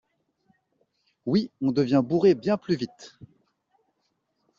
Oui on devient bourré bien plus vite.